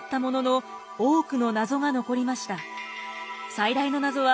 最大の謎は